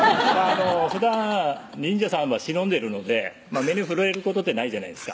ふだん忍者さん忍んでるので目に触れることってないじゃないです